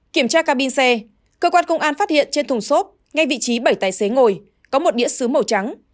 kiểm tra cabin xe cơ quan công an phát hiện trên thùng xốp ngay vị trí bảy tài xế ngồi có một đĩa xứ màu trắng